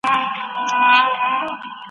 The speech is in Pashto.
ایا شاګرد باید د موضوع سرچيني ثبت کړي؟